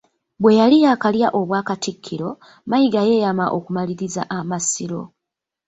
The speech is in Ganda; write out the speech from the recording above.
Bwe yali yaakalya Obwakatikkiro, Mayiga yeeyama okumaliriza Amasiro